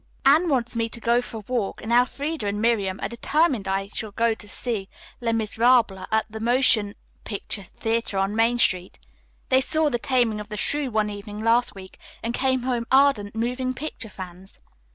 Anne wants me to go for a walk, and Elfreda and Miriam are determined I shall go to see 'Les Miserables' at the motion picture theatre on Main Street. They saw 'The Taming of the Shrew' one evening last week, and came home ardent moving picture fans."